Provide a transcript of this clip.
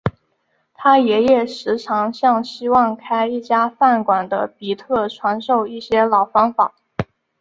他爷爷时常向希望开一家饭馆的比特传授一些老方法。